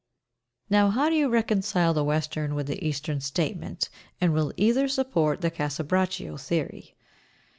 Now, how do you reconcile the Western with the Eastern statement, and will either support the "Casa Braccio" theory?